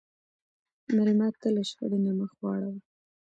مېلمه ته له شخړې نه مخ واړوه.